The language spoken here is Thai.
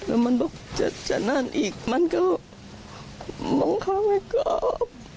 แล้วมันบอกจะนอนอีกมันก็บังคับให้กราบ